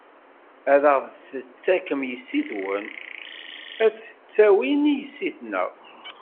Ad ɣ-d-tettakem yessi-twen, ad tettawin yessi-tneɣ.